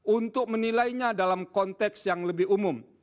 untuk menilainya dalam konteks yang lebih umum